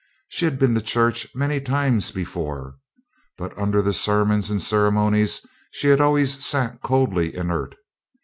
She had been to church many times before, but under the sermons and ceremonies she had always sat coldly inert.